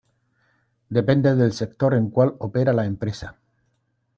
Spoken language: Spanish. Depende del sector en cuál opera la empresa.